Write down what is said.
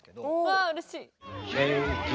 わあうれしい！